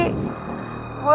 gua baru inget ngabarin lo